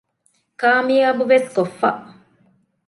ކާމިޔާބުވެސް ކޮށްފަ